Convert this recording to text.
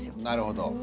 なるほど。